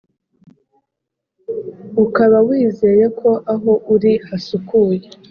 ukaba wizeye ko aho uri hasukuye